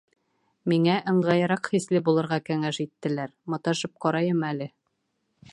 Миңә ыңғайыраҡ хисле булырға кәңәш иттеләр. Маташып ҡарайым әле.